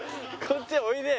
こっちおいで。